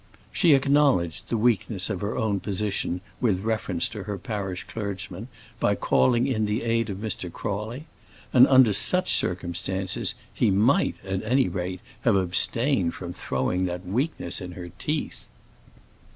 She acknowledged the weakness of her own position with reference to her parish clergyman by calling in the aid of Mr. Crawley; and under such circumstances, he might, at any rate, have abstained from throwing that weakness in her teeth.